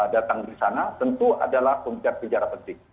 datang di sana tentu adalah pemikir bicara penting